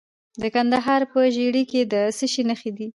د کندهار په ژیړۍ کې د څه شي نښې دي؟